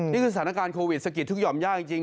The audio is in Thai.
นี่คือสถานการณ์โควิดสะกิดทุกห่อมยากจริง